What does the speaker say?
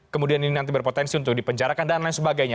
kemudian ini nanti berpotensi untuk dipenjarakan dan lain sebagainya